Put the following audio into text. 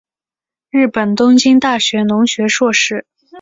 日本东京大学农学硕士。